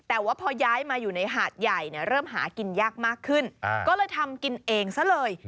แต่ว่าพอย้ายมาอยู่ในหาดใหญ่เริ่มหากินยากมากขึ้นก็เลยทำกินเองซะเลย